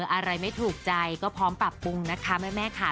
อะไรไม่ถูกใจก็พร้อมปรับปรุงนะคะแม่ค่ะ